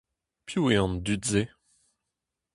Piv eo an dud-se ?